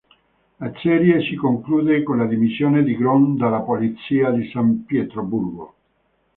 La serie si conclude con le dimissioni di Grom dalla polizia di San Pietroburgo.